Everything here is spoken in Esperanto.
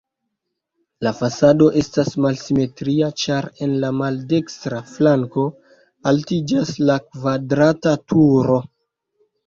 La fasado estas malsimetria, ĉar en la maldekstra flanko altiĝas la kvadrata turo.